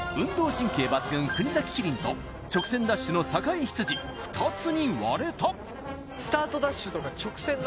神経抜群国崎キリンと直線ダッシュの酒井ヒツジ２つに割れた！